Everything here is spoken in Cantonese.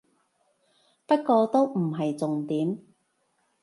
不過都唔係重點